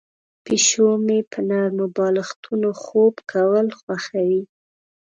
پیشو مې په نرمو بالښتونو خوب کول خوښوي.